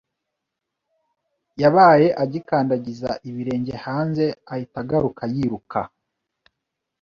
Yabaye agikandagiza ibirenge hanze ahita agaruka yiruka